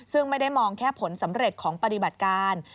ซึ่งไม่ได้มองแค่ผลสำเร็จของปฏิบัติการ